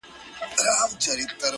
د چا او چا ژوند كي خوښي راوړي~